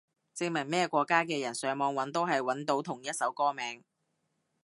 證明咩國家嘅人上網搵都係搵到同一首歌名